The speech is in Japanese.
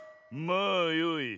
まあよい。